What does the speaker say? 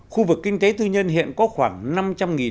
khu vực kinh tế tư nhân hiện có khoảng